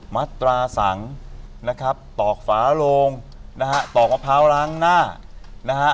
มัตราสังนะครับตอกฝาโลงนะฮะตอกมะพร้าวล้างหน้านะฮะ